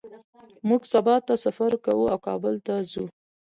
موږ سبا سفر کوو او کابل ته ځو